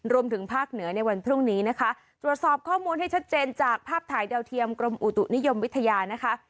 รวมถึงภาคเหนือในวันพรุ่งนี้นะคะตรวจสอบข้อมูลให้ชัดเจนจากภาพถ่ายดาวเทียมกรมอุตุนิยมวิทยานะคะ